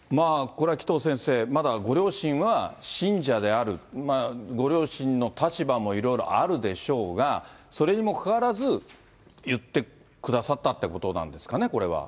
これは紀藤先生、まだご両親は信者である、ご両親の立場もいろいろあるでしょうが、それにもかかわらず、言ってくださったということなんですかね、これは。